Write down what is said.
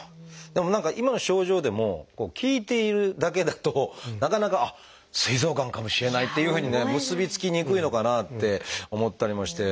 でも何か今の症状でも聞いているだけだとなかなか「あっすい臓がんかもしれない」っていうふうにね結び付きにくいのかなって思ったりもして。